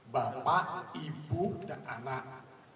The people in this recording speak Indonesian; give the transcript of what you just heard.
bapak ibu dan anak